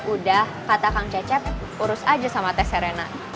udah kata kang cecep urus aja sama tes serena